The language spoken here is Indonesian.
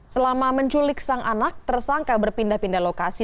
selama menculik sang anak tersangka berpindah pindah lokasi